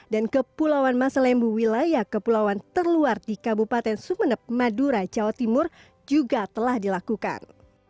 dan kepulauan masalembu wilayah kepulauan terluar di kabupaten sumeneb madura jawa timur juga telah dilakukan